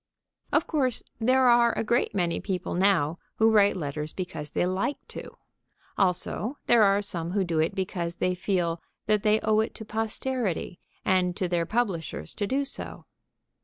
Of course, there are a great many people now who write letters because they like to. Also, there are some who do it because they feel that they owe it to posterity and to their publishers to do so.